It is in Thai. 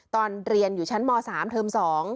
ตอนเรียนอยู่ชั้นม๓เทอม๒